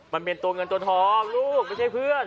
มันเป็นตัวเงินตัวทองลูกไม่ใช่เพื่อน